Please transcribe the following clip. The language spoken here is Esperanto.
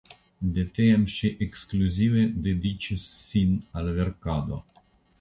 De tiam ŝi ekskluzive dediĉis sin al verkado.